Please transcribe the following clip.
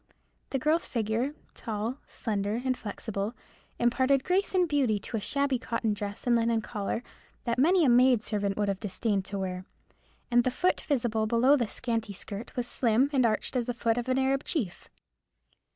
The girl's figure, tall, slender, and flexible, imparted grace and beauty to a shabby cotton dress and linen collar, that many a maid servant would have disdained to wear; and the foot visible below the scanty skirt was slim and arched as the foot of an Arab chief.